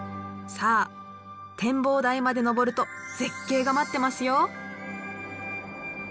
さあ展望台まで登ると絶景が待ってますよ。